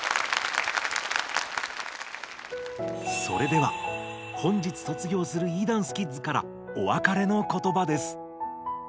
それでは本日卒業するＥダンスキッズからおわかれの言葉です。